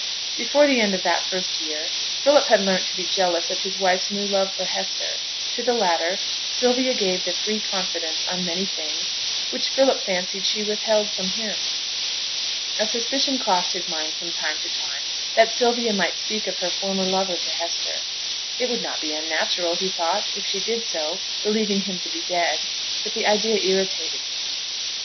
Before the end of that first year, Philip had learnt to be jealous of his wife's new love for Hester. To the latter, Sylvia gave the free confidence on many things which Philip fancied she withheld from him. A suspicion crossed his mind, from time to time, that Sylvia might speak of her former lover to Hester. It would be not unnatural, he thought, if she did so, believing him to be dead; but the idea irritated him.